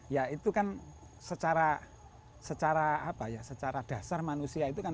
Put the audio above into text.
ya itu kan secara dasar manusia itu kan